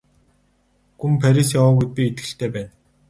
Гүн Парис яваагүйд би итгэлтэй байна.